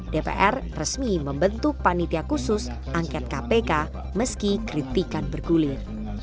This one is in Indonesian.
dpr resmi membentuk panitia khusus angket kpk meski kritikan bergulir